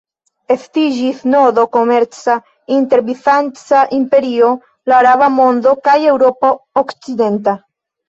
Estiĝis nodo komerca inter Bizanca imperio, la araba mondo kaj Eŭropo okcidenta.